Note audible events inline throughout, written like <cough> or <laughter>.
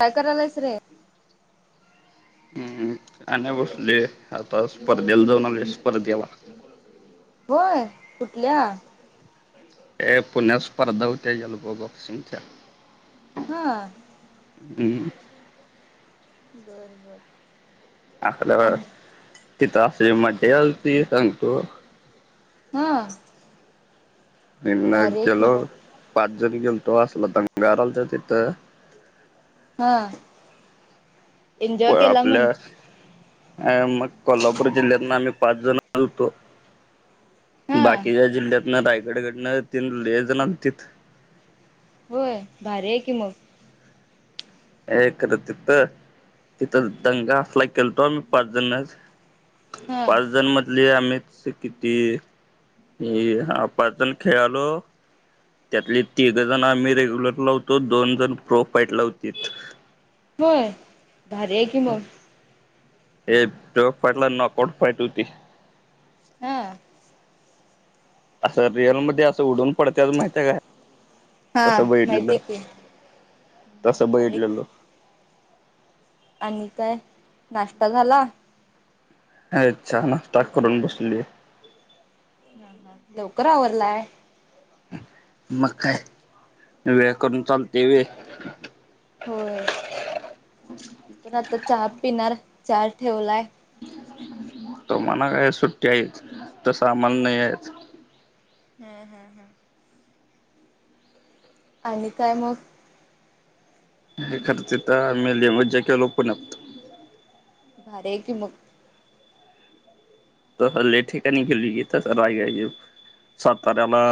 काय करायलायस रे? हम्म, काय नाय बसलोय आता स्पर्धेला जाऊन आलोय स्पर्धेला. होय, कुठल्या? ये पुण्यात स्पर्धा होत्या एलबो बॉक्सिंगच्या. हं. हम्म. बर बर. आखल्या वेळात, आणि तिथं असली मज्जा यालती सांगतो. हां. इथन की गेलो, मग पाच जण गेलतो असला दंगारलत तिथं. हं. प आपल्या, आय मग कोल्हापूर जिल्ह्यातन आम्ही पाच जण आलतो. हा बाकीच्या जिल्ह्यातन रायगडकडनं तीन लई जण आलतीथ. होय भारी आहे की मग. हे खरं तिथं, तिथं दंगा असला केलतो पाच जणच हा पाच जण म ले आम्हीच किती? हे पाच जण खेळालो त्यातले तिघं जण आम्ही रेग्युलरला होतो, दोन जण प्रो फाईटला होतीत. होय? भारी कि मग. हे प्रो फायटला नॉक आऊट फायट होती. हा. असं रिअलमध्ये असं उडून पडतेत माहितीय काय? हा, तसं बघितलेलं माहितीय की. तसं भारी आहे की बघितलेलो. आणि काय नाश्ता झाला? ह चहा, नाष्टा करुन बसलोय. हा हा, लवकर आवरलाय. मग काय, वेळ करून चालते व्हय. होय, मी पण आता चहा पिणार चहा ठेवलाय. तुम्हाला काय सुट्टी आहेत, तसं आम्हाला नाहीयेत. हम्म हम्म हम्म. आणि काय मग? <unintelligible> तिथं आम्ही लय मज्जा केलो पुण्यात. भारी हाय की मग. तसं लय ठिकाणी गेलं की तसं <unintelligible> साताऱ्याला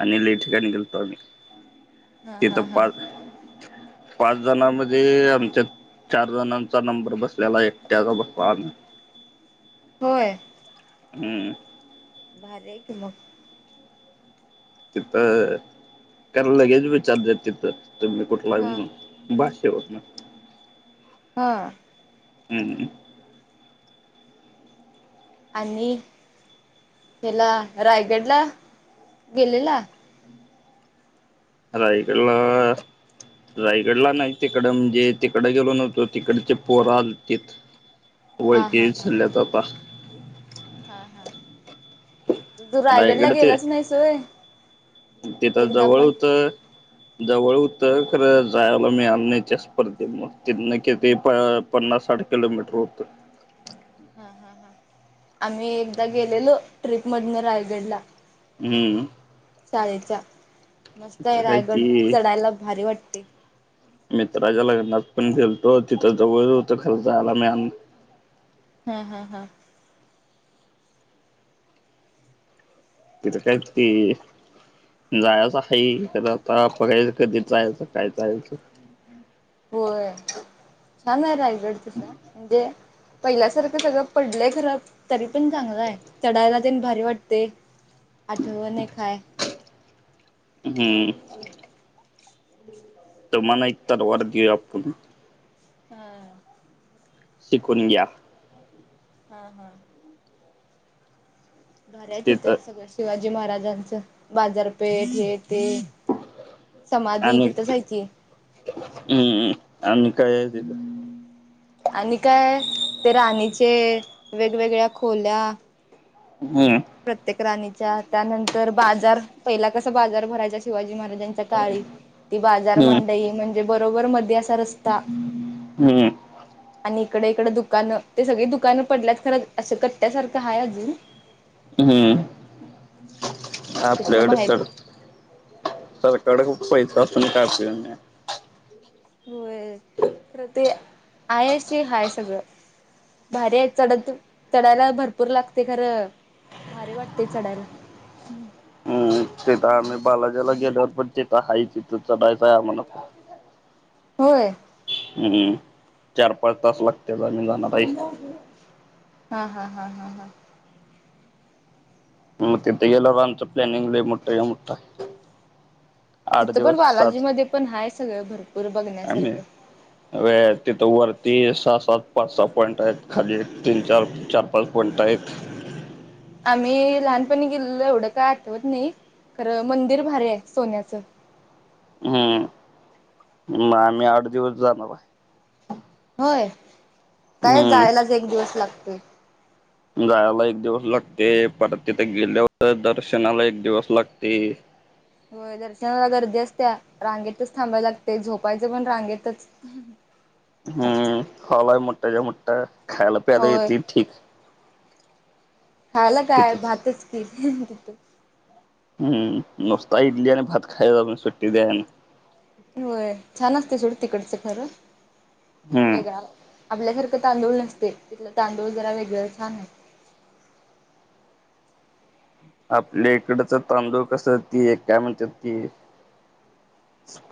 आणि लय ठिकाणी गेलतो आम्ही, हा हा तिथं हा पाक पाच जणामध्ये आमच्यात् चार जणांचा नंबर बसलेला एकट्याचा बघ आम्ही. होय? हम्म. भारी हाय की मग. तिथं, खरं लगेच विचारतेत तिथं, तुम्ही कुठला हाय हा. म्हणून. भाषेवरनं. हा. हम्म. आणि हेला रायगडला गेलेला? रायगडला ‌ रायगडला नाही तिकडं म्हणजे तिकडं गेलो नव्हतो, तिकडचे पोरं आलतेत. हा ओळखी हा हा विसरल्यात आता. हा हा, तू रायगडला रायगड ते गेलाच नाहीस होय? तिथं एकदा जवळ पण? होतं. जवळ होतं खरं जायला मिळालं नाय त्या स्पर्धेमुळं, ‌तिथनं किती‌ प पन्नास साठ किलोमीटर होतं. हा हा हा, आम्ही एकदा गेलेलो ट्रीपमधनं रायगडला. हम्म. शाळेच्या, मस्त आहे तिथं काय रायगड ती चढायला भारी वाटते. मित्राच्या लग्नात पण गेलतो, तिथं जवळ होतं खरं जायला नाय म हा हा हा. तिथं काय ते जायाचं आहे खरं आता बघायचं कधी जायाचं, काय जाण्याचं. व्हयं, छान आहे रायगड तिथं म्हणजे पहिल्यासारखं सगळं पडलंय खरं, तरीपण चांगलं आहे चढायला तेन भारी वाटतंय. आठवण एक हाय. हं... तुमांना एक तलवार देवू या आपुन. हा शिकून घ्या. हा, हा. बरं आहे तिथं सगळं शिवाजी महाराजांचं बाजारपेठ हे- ते. समाधी तिथंच हाय की, हू... आणि काय आहे तिथं? आणि काय ते राणीचे वेगवेगळ्या खोल्या. ह... प्रत्येक राणीच्या, त्यानंतर बाजार पहिला कसं बाजार भरायचा शिवाजी महाराजां- च्या काळी ती बाजार हम्म मंडई म्हणजे बरोबर मधी अस त रस्ता हम्म आणि हिकडं- हिकडं दुकानं ते सगळी दुकानं पडल्यात खरं असं कट्ट्यासारखं आहे अजून. हं.. तिथलं आपल्याकडे चढ माहिती सरकारकडं खूप पैसा असून काय उपयोग नाही. होय खरं ते हाय अशी हाय सगळं. भारी हाय चढत चढायला भरपूर लागते खरं भारी वाटतंय चढायला, ह. हम्म तिथं आम्हीं बालाजीला गेल्यावर पण तिथं हाय तिथं चढायचंय आम्हांला पण. होय. हं.. हं.. चार- पाच तास लागत्यात आम्हीं जाणार हाय की. हा, हा, हा, हा, हा. मग तिथं गेल्यावर आमचा प्लॅनिंग लई मोठंच्या मोठं हाय. तिथं पण बालाजी मध्ये पण हाय सगळं भरपूर बघण्यासारखं. व्हयं तिथं वरती सहा -सात, पाच -सहा पॉईंट आहेत, खाली एक तीन- चार, चार -पाच पॉईंट आहेत. आम्हीं लहानपणी गेलेलो एवढं काय आठवत नाही, खरं मंदिर भारी आहे सोन्याचं. हं... आम्हीं मग आठ दिवस जाणार हाय. होय काय हम्म जायलाच एक दिवस लागतोय. जायला एक दिवस लागतंय, परत तिथं गेल्यावर दर्शनाला एक दिवस लागतंय. व्हयं दर्शनाला गर्दी असत्या रांगेतच थांबाय लागतंय, झोपायचं पण रांगेतच. हं हॉल हाय मोठाच्या मोठा खायाला प्यायला होय. येतंय ठीक. खायला काय तिथंच भातच की तिथं. हं नुसता इडली आणि भात खायाचा आपण सुट्टीच द्यायचं नाही. व्हयं छान असतंय सोड तिकडचं खरं. ह... आपल्यासारखं तांदूळ नसतंय तिथंल तांदूळ जरा वेगळं छान आहेत. आपल्या इकडंच तांदूळ कसं ती एक काय म्हणतात की,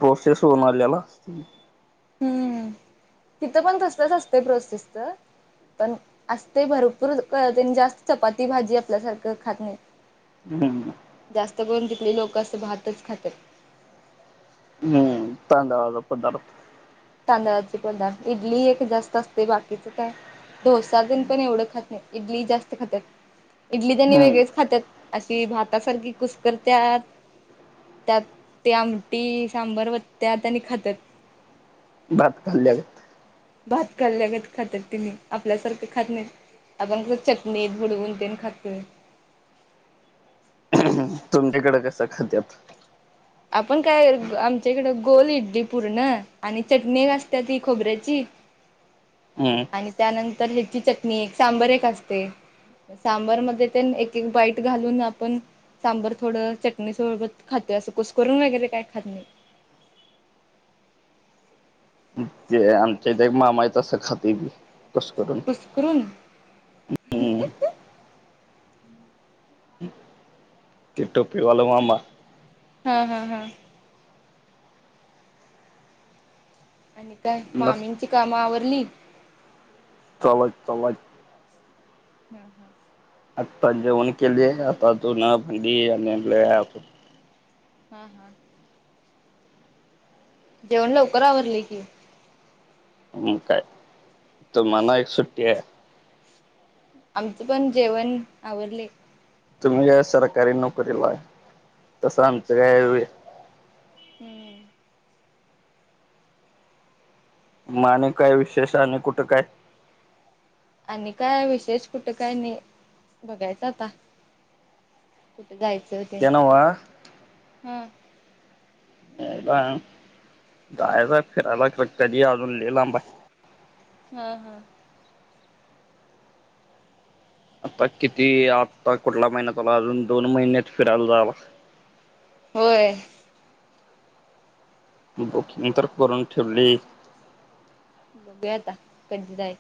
प्रोसेस होऊन आल्याला असतुय. हं.. तिथं पण तसलंच असतंय प्रोसेसच पण असतयं भरपूर क तेनी जास्त चपाती- भाजी आपल्यासारखं खात नाहीत. हम्म. जास्त करून तितली लोकं असं भाततच खात्यात. हम्म तांदळाचा पदार्थ, तांदळाचे पदार्थ इडली एक जास्त असते बाकीच काय,, डोसा दिण पण एवढं खात नाहीत. इडली जास्त खात्यात, इडली त्यांनी वेगळीच हम्म खात्यात. अशी भातासारखी कुसकरत्यात त्यात ते आमटी सांबर ते वतत्त्यात आणि खात्यात. भात खाल्या गत भात खाल्ल्यागत खात्यात तनी, आपल्यासारखं खात नाहीत. आपण कसं चटणीत बुडवूनतेण खातोय तुमच्याकडं कसं खात्यात? आपण काय आमच्याकडं गोल इडली पूर्ण,, आणि चटणी असत्या ती खोबऱ्याची ह <inaudible> हम्म आणि त्यानंतर ह्याची चटणी, सांबर एक असतय. सांबर मध्ये तेन एक एक बाईट घालून आपण सांबर थोडं चटणी सोबत खातोय, असं कुस करून वगैरे काय खात नाही. ते आमच्याइथ एक मामाय, तसं खातेय ते,, कूसकरून. करून ते टोपीवालं मामा हा हा हा आणि काय,, नस मामींची कामं आवरली? चालु हायत चालू हायत हा हा. आता जेवण केले,,, आता धूंनं, भांडी अजून लय आय अजून. हा हा. जेवण लवकर आवरलय की. म काय,, मला एट सुट्टी आहे आमचं पण जेवण आवरले. तुम्ही काय सरकारी नोकरीलाय,, तसं आमचं काय हायवय. हम्म. मग आणि काय विशेष आणि कुठं काय आणि काय विषेश कुठ काय नाही, बघायचं आता कुठं जायचं ते न्वहं हा जायाचाय जायचाय एक फिरायला खर कधी अजून लई लांबाय ह ह आता किती, आता कुठला महिना चालूय अजून दोन महिन्यात फिरायला जावा होय बुकिंग तर करून ठेवलय बघूया आता कधी जायच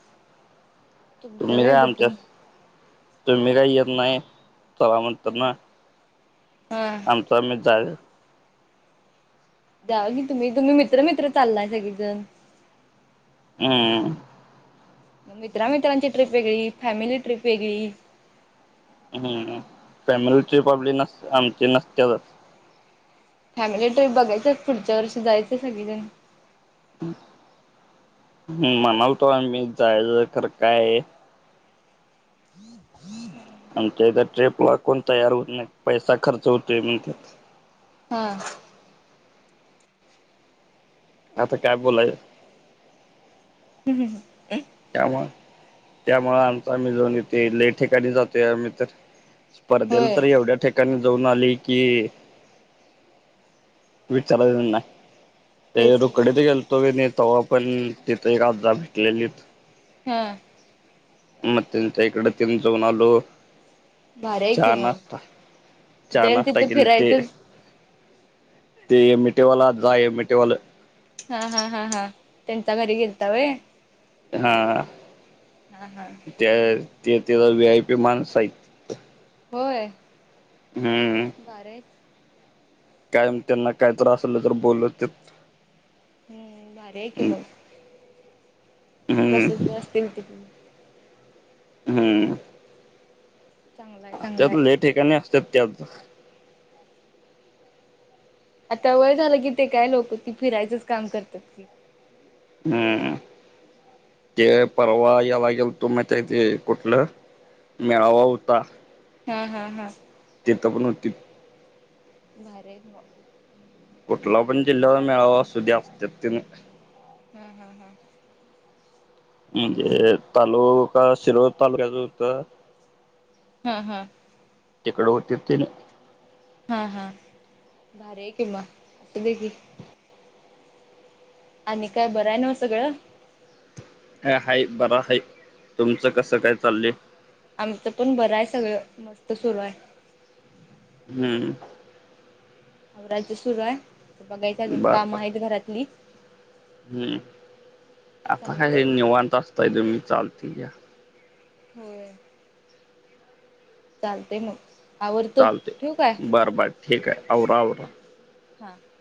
तुम्ही काय आमच्यात, तुम्ही काय येत नाही चला म्हणताना ह <unintelligible> जावा की तुम्ही- तुम्ही मित्र -मित्र चालतंय सगळीजण हम्म. म मित्रांमित्रांची ट्रिप वेगळी फॅमिली ट्रिप वेगळी. हम्म. फॅमिली ट्रीप आपली नस आमची नसत्यातच. फॅमिली ट्रिप बघायचं पुढच्या वर्षी जायचं सगळीजण हम्म म्हणालतो आम्ही जायचं खरं काय? आमच्या इथ ट्रीप ला कोण तयार होत नाहीत पैसा खर्च होतोय म्हणत्यात. हा. आता काय बोलाय हम्म - हम्म. त्यामुळ- त्यामुळ आमच आम्ही जाऊन येतोय लय ठिकाणी जातोय आम्ही तर. स्पर्धेला होय तर एवढ्या ठिकाणी जाऊन आलय कि विचारायचं नाही ते तेच की रुकडीत गेल तो कणी तेव्हा पण तिथ एक आज्जा भेटलेलीत हा. म त्यांच्या इकड तेन जाऊन आलो. भारी आहे की चहा मग नाष्टा- चहा जाईल नाष्टा तिथं केलते फिरायचंच ते एम ए टी वाल आज्जा एम ए टी वाल हा- हा- हा- हा त्यांच्या घरी गेलता वय. हा हा हा त्या ते त्यो वी आय पी माणस आहेत. होय. हम्म. <unintelligible> कायम त्यांना कायतर असलं तर बोलतेत. हम्म. भारी आहे की मग. हम्म प्रसिद्ध असतील तिकडे. हम्म. चांगलाय त्यात चांगलाय लय ठिकाणी असत्यात ते आज्जा. आता वय झालं की ते काय लोकती फिरायचंच काम करतात की. हम्म. ते परवा यला गेलतो माहितीय ते कुठलं? मेळावा होता. हा- हा- हा. तिथं पण होती. भारी आहे म कुठला पण जिल्ह्याचा मेळावा असूदे असत्यात ते. हम्म - हम्म - हम्म. तालुका शिरोळ तालुक्याच होत? हम्म - हम्म. तिकड होतीत तेनी. हा - हा भारी आहे किंवा <unintelligible> आणि काय बरं हाय नव्ह सगळं? हाय - हाय बरं हाय तुमचं कसं काय चालय? आमचं पण बरं हाय सगळं मस्त सुरू हाय. हम्म. आवरायचं सुरू आहे. तर बघायच अजून काम आहेत घरातली हम आता काय चालतंय निवांत असताय तुम्ही चालतय घ्या होय चालतय मग आवरतो चालतय ठेवू काय? बर बर ठीक हाय आवरा आवरा हा <inaudible>